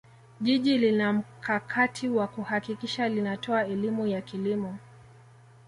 jiji linamkakati wa kuhakikisha linatoa elimu ya kilimo